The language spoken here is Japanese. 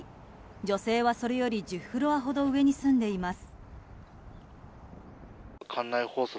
女性はそれより１０フロアほど上に住んでいます。